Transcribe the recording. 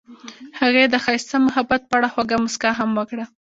هغې د ښایسته محبت په اړه خوږه موسکا هم وکړه.